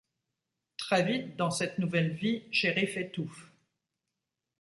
Très vite, dans cette nouvelle vie, Chérif étouffe.